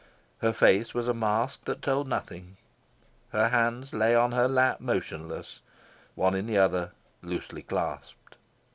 Her face was a mask that told nothing. Her hands lay on her lap motionless, one in the other loosely clasped.